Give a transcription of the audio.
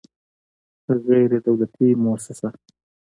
غیر دولتي موسسه